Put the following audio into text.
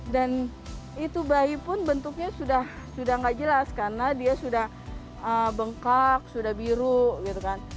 dan itu bayi pun bentuknya sudah tidak jelas karena dia sudah bengkak sudah biru gitu kan